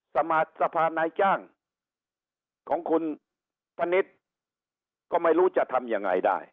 สภานายจ้างของคุณพนิษฐ์ก็ไม่รู้จะทำยังไงได้